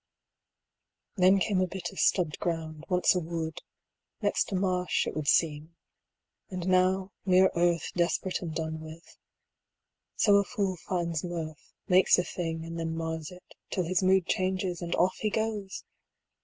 Then came a bit of stubbed ground, once a wood, 145 Next a marsh, it would seem, and now mere earth Desperate and done with so a fool finds mirth, Makes a thing and then mars it, till his mood Changes and off he goes!